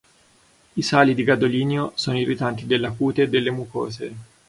I sali di gadolinio sono irritanti della cute e delle mucose.